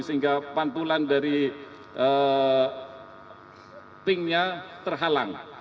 sehingga pantulan dari pingnya terhalang